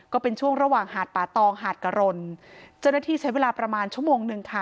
ก็เป็นช่วงระหว่างหาดป่าตองหาดกะรนเจ้าหน้าที่ใช้เวลาประมาณชั่วโมงหนึ่งค่ะ